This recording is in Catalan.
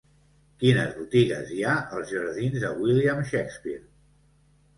Quines botigues hi ha als jardins de William Shakespeare?